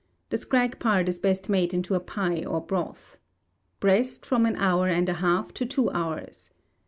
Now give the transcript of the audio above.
The scrag part is best made into a pie or broth. Breast, from an hour and a half to two hours.